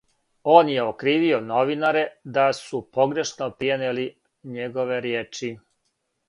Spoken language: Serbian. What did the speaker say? Он је окривио новинаре да су погрешно пренијели његове ријечи.